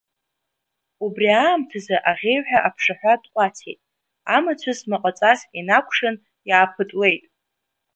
Убри аамҭазы аӷьеҩҳәа аԥшаҳәа тҟәацит, амацәыс маҟаҵас инакәшан, иааԥытлеит.